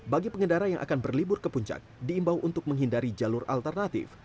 bagi pengendara yang akan berlibur ke puncak diimbau untuk menghindari jalur alternatif